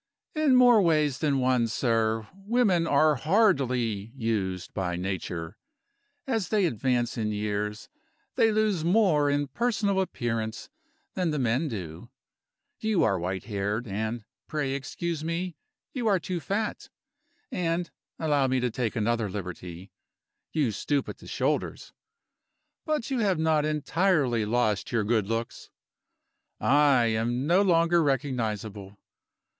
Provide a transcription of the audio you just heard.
"In more ways than one, sir, women are hardly used by Nature. As they advance in years they lose more in personal appearance than the men do. You are white haired, and (pray excuse me) you are too fat; and (allow me to take another liberty) you stoop at the shoulders but you have not entirely lost your good looks. I am no longer recognizable.